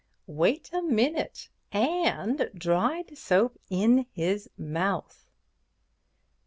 "Wait a minute—and dried soap in his mouth."